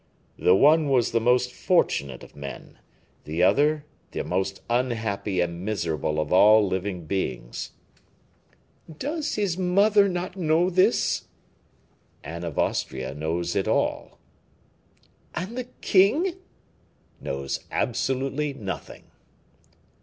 "The one was the most fortunate of men: the other the most unhappy and miserable of all living beings." "Does his mother not know this?" "Anne of Austria knows it all." "And the king?" "Knows absolutely nothing."